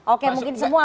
oke mungkin semua